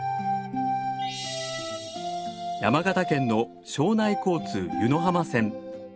山形県の庄内交通湯野浜線。